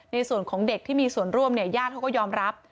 ในส่วนของเด็กที่มีส่วนร่วมเนี่ยญาติเขาก็ยอมรับ